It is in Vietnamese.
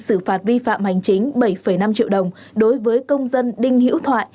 xử phạt vi phạm hành chính bảy năm triệu đồng đối với công dân đinh hữu thoại